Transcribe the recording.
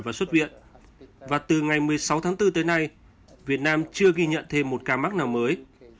và từ ngày một mươi sáu tháng bốn tới nay việt nam chưa ghi nhận thêm một ca mắc nào mới